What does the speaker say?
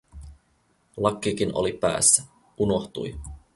Lakkikin oli päässä, unohtui.